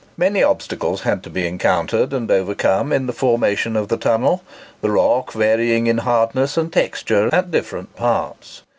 Many obstacles had to be encountered and overcome in the formation of the tunnel, the rock varying in hardness and texture at different parts.